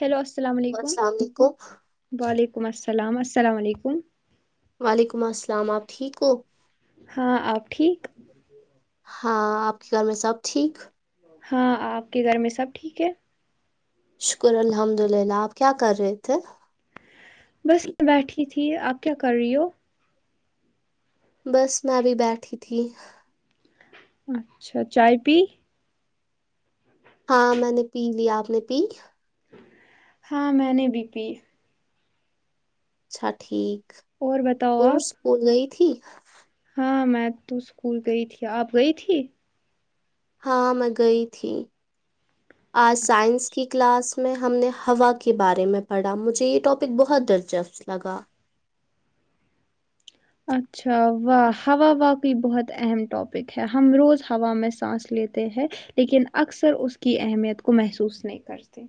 hello السلام hello علیکم السلام علیکم وعلیکم السلام السلام علیکم وعلیکم السلام آپ ٹھیک ہو ہاں آپ ٹھیک ہاں آپ کے گھر میں سب ٹھیک ہاں آپ کے گھر میں سب ٹھیک ہے شکر الحمد للہ آپ کیا کر رہے تھے بس بیٹھی تھی آپ کیا کر رہی ہو بس میں ابھی بیٹھی تھی اچھا چائے پی ہاں میں نے پی لیا آپ نے پی ہاں میں نے بی پی اچھا ٹھیک اور بتاؤ آپ بول گئی تھی ہاں میں تو اسکول گئی تھی آپ گئی تھی ہاں میں گئی تھی آج سائنس کی کلاس میں ہم نے ہوا کے بارے میں پڑھا مجھے یہ ٹاپک بہت دلچسپ لگا اچھا واہ ہا واہ بھی بہت اہم ٹاپک ہے ہم روز ہوا میں سانس لیتے ہیں لیکن اکثر اس کی اہمیت کو محسوس نہیں کرتے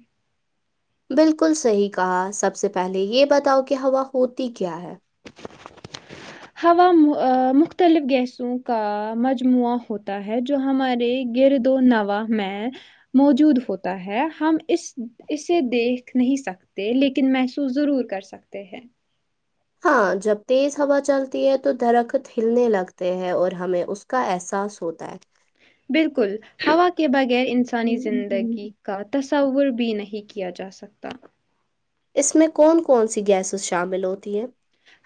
بالکل صحیح کہا سب سے پہلے یہ بتاؤ کہ ہوا ہوتی کیا ہے ہوا ا مختلف گیسوں کا مجموعہ ہوتا ہے ہے جو ہمارے گر دو نوا میں موجود ہوتا ہے ہم اس اسے دیکھ نہیں سکتے لیکن محسوس ضرور کر سکتے ہیں ہاں جب تیز ہوا چلتی ہے تو درخت ہلنے لگتے ہے اور ہمیں اس کا احساس ہوتا ہے بالکل ہوا کے بغیر انسانی زندگی کا تصور بھی نہیں کیا جا سکتا اس میں کون کون سی گیسز شامل ہوتی ہیں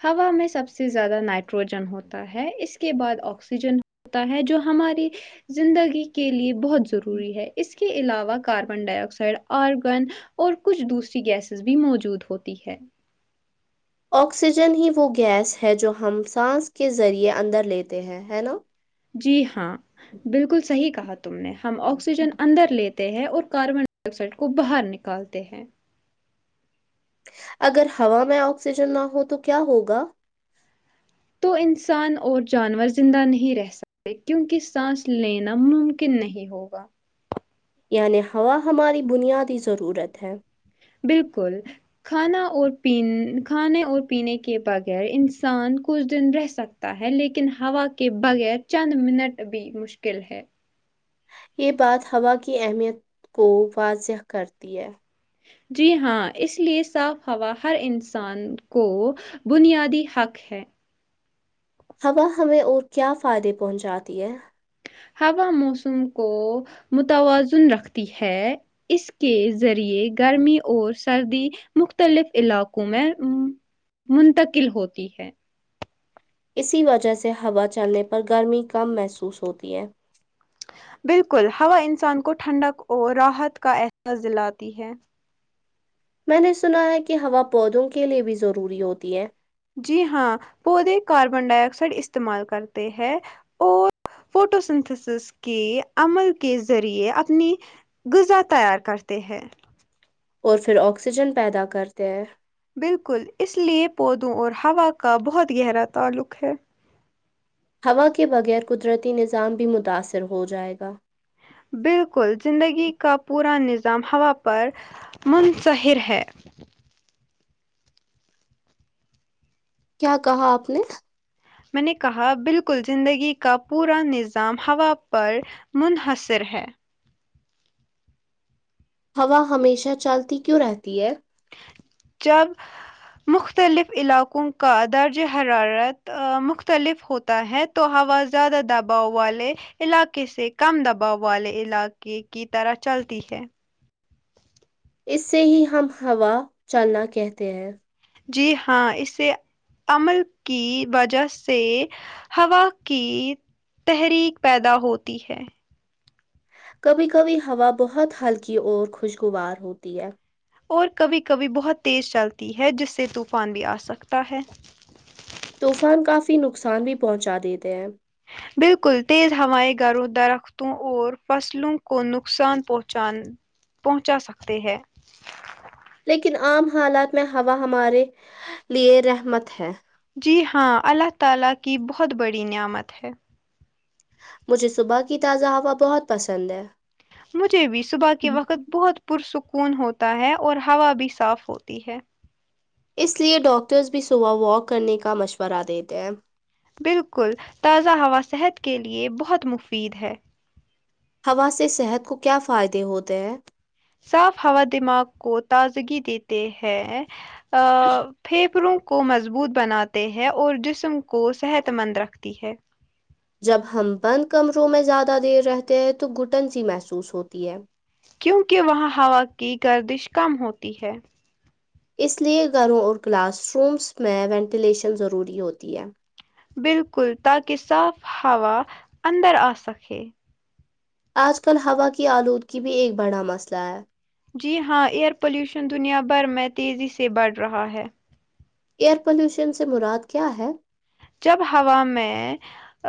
ہوا میں سب سے زیادہ نائٹروجن ہوتا ہے اس کے بعد آکسیجن ہوتا ہے جو ہماری زندگی کے لیے بہت ضروری ہے اس کے علاوہ کاربن ڈائی آکسائڈ آرگن اور کچھ دوسری گیسز بھی موجود ہوتی ہے آکسیجن ہی وہ گیس ہے جو ہم سانس کے ذریعے اندر لیتے ہیں ہے نا جی ہاں بالکل صحیح کہا تم نے ہم آکسیجن اندر لیتے ہیں اور کاربن ڈائی آکسائڈ کو باہر نکالتے ہیں اگر ہوا میں آکسیجن نہ ہو تو کیا ہوگا تو انسان اور جانور زندہ نہیں رہ سکتا کیونک سانس لینا ممکن نہیں ہوگا یعنی ہوا ہماری بنیادی ضرورت ہے بالکل کھانا اور پ کھانے اور پینے کے بغیر انسان کچھ دن رہ سکتا ہے لیکن ہوا کے بغیر چند منٹ بھی مشکل ہے یہ بات ہوا کی اہمیت کو واضح کرتی ہے جی ہاں اس لیے صاف ہوا ہر انسان کو بنیادی حق ہے ہوا ہمیں اور کیا فائدے پہنچاتی ہے ہوا موسم کو متوازن رکھتی ہے اس کے ذریعے گرمی اور سردی مختلف علاقوں میں منتقل ہوتی ہے اسی وجہ سے ہوا چلنے پر گرمی کم محسوس ہوتی ہے بالکل ہوا انسان کو ٹھنڈک اور راحت کا احساس دلاتی ہے میں نے سنا ہے کہ ہوا پودوں کے لیے بھی ضروری ہوتی ہے جی ہاں پودے کاربن ڈائ آکسائڈ استعمال کرتے ہے اور فوٹو سنتھسس کے عمل کے ذریعے اپنی غذا تیار کرتے ہیں اور پھر آکسیجن پیدا کرتے ہیں بالکل اس لیے پودوں اور ہوا کا بہت گہرا تعلق ہے ہوا کے بغیر قدرتی نظام بھی متاثر ہو جائے گا بالکل زندگی کا پورا نظام ہوا پر منظہر ہے کیا کہا آپ نے میں نے کہا بالکل زندگی کا پورا نظام ہوا پر منحصر ہے ہوا ہمیشہ چلتی کیوں رہتی ہے جب مختلف علاقوں کا درجہ حرارت مختلف ہو ہوتا ہے تو ہوا زیادہ دباؤ والے علاقے سے کم دباؤ والے علاقے کی طرح چلتی ہے اس سے ہی ہم ہوا چلنا کہتے ہیں جی ہاں اسے عمل کی وجہ سے ہوا کی تحریک پیدا ہوتی ہے کبھی کبھی ہوا بہت ہلکی اور خوشگوار ہوتی ہے اور کبھی کبھی بہت تیز چلتی ہے جس سے طوفان بھی آ سکتا ہے طوفان کافی نقصان بھی پہنچا دیتے ہیں بالکل تیز ہوائ گھروں درختوں اور فصلوں کو نقصان پہنچان پہنچا سکتے ہیں لیکن عام حالات میں ہوا ہمارے لیے رحمت ہے جی ہاں اللہ تعالی کی بہت بڑی نعمت ہے مجھے صبح کی تازہ ہوا بہت پسند ہے مجھے بھی صبح کے وقت بہت پرسکون ہوتا ہے اور ہوا بھی صاف ہوتی ہے اس لیے ڈاکٹرز بھی صبح واک کرنے کا مشورہ دیتے ہیں بالکل تازہ ہوا صحت کے لیے بہت مفید ہے ہوا سے صحت کو کیا فائدے ہوتے ہیں صاف ہوا دماغ کو تازگی دیتے ہیں اا پھیپھڑوں کو مضبوط بناتے ہیں اور جسم کو صحت مند رکھتی ہے جب ہم بند کمروں میں زیادہ دیر رہتے ہیں تو گٹن سی محسوس ہوتی ہے کیونکہ وہاں ہوا کی گردش کم ہوتی ہے اس لیے گھروں اور کلاس رومس میں وینٹیلیشن ضروری ہوتی ہے بالکل تاکہ صاف ہوا اندر آ سکے آج کل ہوا کی آلودگی بھی ایک بڑا مسئلہ ہے جی ہاں ایئر پلیوشن دنیا بھر میں تیزی سے بڑھ رہا ہے ایئر پولیوشن سے مراد کیا ہے جب ہوا میں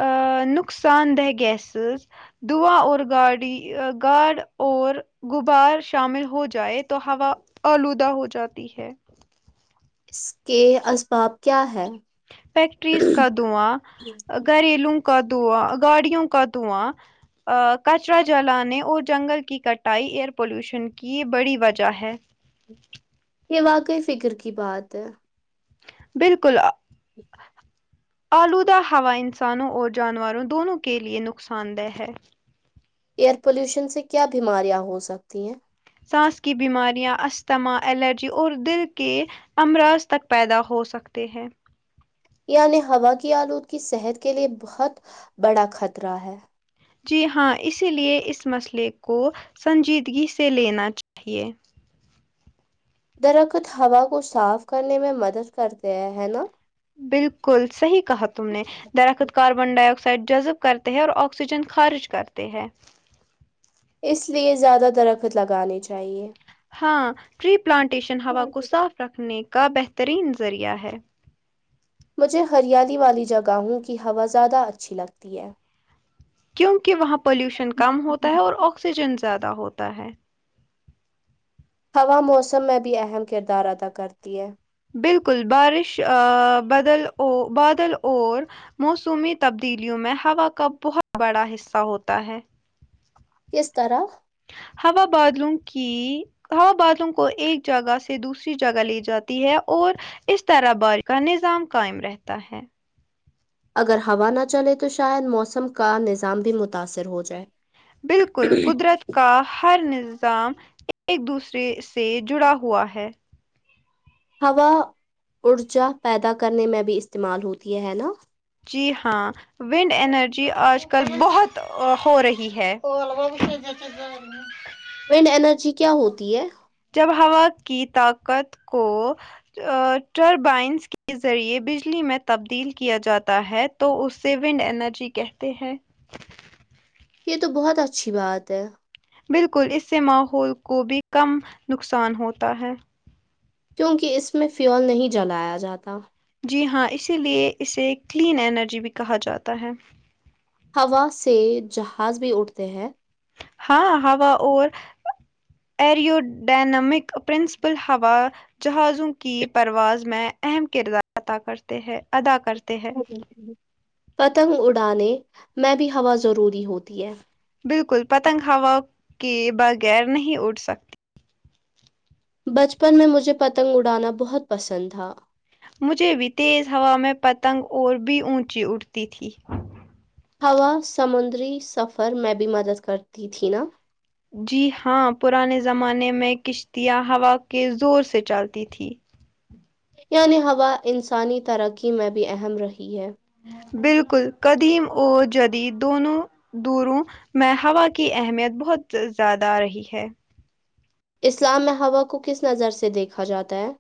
اا نقصان دہ گیسز دوا اور گاڑی گارڈ اور غبار شامل ہو جائے تو ہوا آلودہ ہو جاتی ہے اس کے اسباب کیا ہے فیکٹریز کا دواں گھریلو کا دواں گاڑیوں کا دواں کچرا جلانے اور جنگل کی کٹائی ایئر پولوشن کی یہ بڑی وجہ ہے یہ واقعی فکر کی بات ہے بالکل آ آلودہ ہوا انسانوں اور جانوروں دونوں کے لیئے نقصان دہ ہے ایئر پولیوشن سے کیا بیماریاں ہو سکتی ہیں سانس کی بیماریاں استھما الرجی اور دل کے ہم راست تک پیدا ہو سکتے ہیں یعنی ہوا کی آلودگی صحت کے لیے بہت بڑا خطرہ ہے جی ہاں اسی لیے اس مسئلے کو سنجیدگی سے لینا چاہیے درخت ہوا کو صاف کرنے میں مدد کرتے ہیں ہے نا بالکل صحیح کہا تم نے درخت کاربن ڈائی آکسائڈ جذب کرتے ہیں اور آکسیجن خارج کرتے ہے اس لیے زیادہ درخت لگانے چاہیے ہاں ٹری پلانٹیشن ہوا کو صاف رکھنے کا بہترین ذریعہ ہے مجھے ہریالی والی جگہوں کی ہوا زیادہ اچھی لگتی ہے کیونکہ وہاں پولیوشن کم ہوتا ہے اور آکسیجن زیادہ ہوتا ہے ہوا موسم میں بھی اہم کردار ادا کرتی ہے بالکل بارش آ بدل او بادل اور موسمی تبدیلیوں میں ہوا کا بہت بڑا حصہ ہوتا ہے کس طرح ہوا بادلوں کی ہوا بادلوں کو ایک جگہ سے دوسری جگہ لیے جاتی ہے اور اس طرح بار کا نظام قائم رہتا ہے اگر ہوا نہ چلے تو شاید موسم کا نظام بھی متاثر ہو جائے بالکل قدرت کا ہر نظام ایک دوسرے سے جڑا ہوا ہے ہوا ارجا پیدا کرنے میں بھی استعمال ہوتی ہے ہے نا جی ہاں ونڈ انرجی آج کل بہت ہو رہی ہے وینڈ انرجی کیا ہوتی ہے جب ہوا کی طاقت کو ٹربائنس کے ذریعے بجلی میں تبدیل کیا جاتا ہے تو اسے ونڈ اینرجی کہتے ہیں یہ تو بہت اچھی بات ہے بالکل اس سے ماحول کو بھی کم نقصان ہوتا ہے کیونکہ اس میں فیول نہیں جلایا جاتا جی ہاں اسی لیے اسے کلین انرجی بھی کہا جاتا ہے ہوا سے جہاز بھی اٹھتے ہیں ہاں ہوا اور اریو ڈینمک پرنسپل ہوا جہازوں کی پرواز میں اہم کردار ادا کرتے ہے ادا کرتے ہیں پتنگ اڑانے میں بھی ہوا ضروری ہوتی ہے بالکل پتنگ ہوا کے بغیر نہیں اڈ سک بچپن میں مجھے پتنگ اڑانا بہت پسند تھا مجھے بھی تیز ہوا میں پتنگ اور بھی اونچی اٹھتی تھی ہوا سمندری سفر میں بھی مدد کرتی تھی نا جی ہاں پرانے زمانے میں کشتیاں ہوا کے زور سے چلتی تھیں یعنی ہوا انسانی ترقی میں بھی اہم رہی ہے بالکل کدیم اؤ جدید دونوں دوروں میں ہوا کی اہمیت بہت زیادہ آ رہی ہے اسلام میں ہوا کو کس نظر سے دیکھا جاتا ہے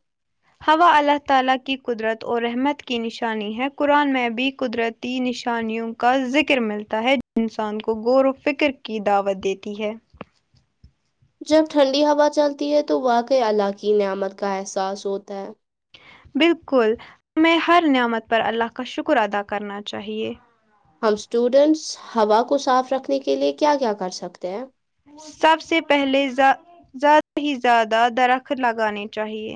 ہوا اللہ تعالی کی قدرت اور رحمت کی نشانی ہے قرآن میں بھی قدرت نشانیوں کا ذکر ملتا ہے انسان کو غور و فکر کی دعوت دیتی ہے جب ٹھنڈی ہوا چلتی ہے تو واقعی اللہ کی نعمت کا احساس ہوتا ہے بالکل ہمیں ہر نعمت پر اللہ کا شکر ادا کرنا چاہیے ہم اسٹوڈینٹس ہوا کو صاف رکھنے کے لیے کیا کیا کر سکتے ہیں سب سے پہلے زیادہ ہی زیادہ درخت لگانے چاہیے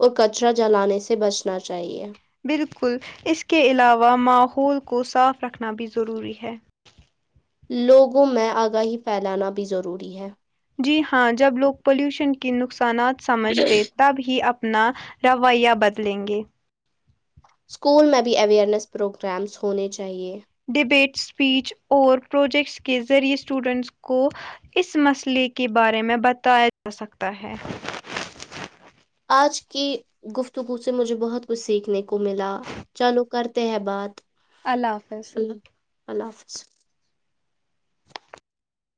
اور کچرا جلانے سے بچنا چاہیے بالکل اس کے علاوہ ماحول کو صاف رکھنا بھی ضروری ہے لوگوں میں آگاہی پھیلانا بھی ضروری ہے جی ہاں جب لوگ پلوشن کی نقصانات سمجھتے تب ہی اپنا رویہ بدلیں گے اسکول میں بھی اوئرنیس پروگرامس ہونے چاہیے ڈبیٹ اسپیچ اور پروجیکٹس کے ذریعے اسٹوڈنٹس کو اس مسئلے کے بارے میں بتایا جا سکتا ہے آج کی گفتگو سے مجھے بہت کچھ سیکھنے کو ملا چلو کرتے ہیں بات اللہ حافظ اللہ اللہ حافظ